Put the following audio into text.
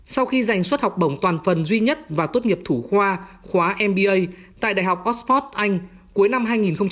sau khi giành xuất học bổng toàn phần duy nhất và tốt nghiệp thủ khoa khóa mba tại đại học oxford anh cuối năm hai nghìn một mươi chín